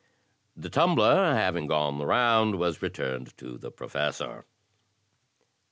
The tumbler, having gone the roimd, was returned to the Professor.